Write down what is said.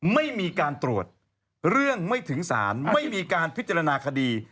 ไม่มีการตรวจเรื่องไม่ถึงศาลไม่มีการพิจารณาคดี